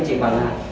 chị bảo là